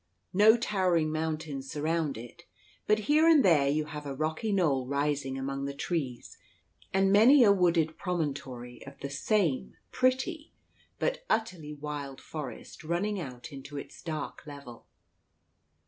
No towering mountains surround it, but here and there you have a rocky knoll rising among the trees, and many a wooded promontory of the same pretty, because utterly wild, forest, running out into its dark level.